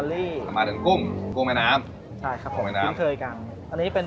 ถูกต้อง